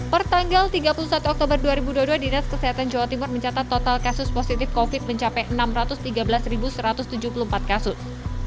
pertanggal tiga puluh satu oktober dua ribu dua puluh dua dinas kesehatan jawa timur mencatat total kasus positif covid mencapai enam ratus tiga belas satu ratus tujuh puluh empat kasus